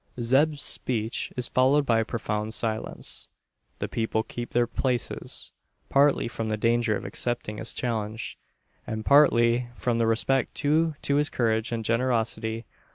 Zeb's speech is followed by a profound silence. The people keep their places partly from the danger of accepting his challenge, and partly from the respect due to his courage and generosity.